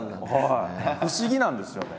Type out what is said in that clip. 不思議なんですよね。